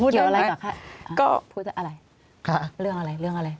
เกี่ยวอะไรกับใครก็พูดอะไรค่ะเรื่องอะไรเรื่องอะไร